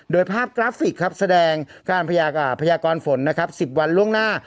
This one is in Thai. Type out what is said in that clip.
โดยภาพกราฟิกครับแสดงการพยากรฝนนะครับ๑๐วันล่วงหน้า